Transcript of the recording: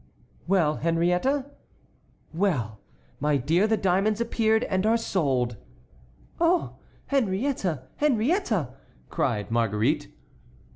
'" "Well, Henriette?" "Well, my dear, the diamonds appeared and are sold." "Oh, Henriette! Henriette!" cried Marguerite.